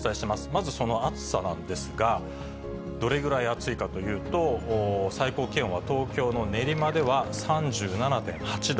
まず、その暑さなんですが、どれぐらい暑いかというと、最高気温は東京の練馬では３７．８度。